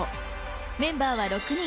メンバーは６人。